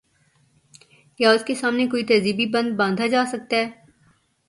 کیا اس کے سامنے کوئی تہذیبی بند باندھا جا سکتا ہے؟